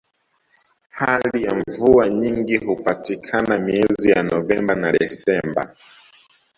hali ya mvua nyingi hupatikana miezi ya novemba na desemba